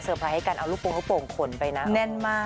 เซอร์ไพรส์ให้กันเอารูปวงรูปวงขนไปนะ